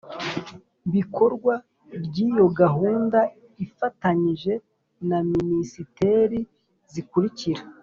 Bikorwa ry iyo gahunda ifatanyije na minisiteri zikurikira